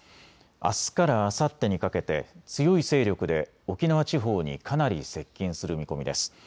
あすからあさってにかけて強い勢力で沖縄地方にかなり接近する見込みです。